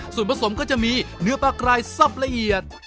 ส่วนผสมก็จะมีเนื้อปลากรายซับละเอียด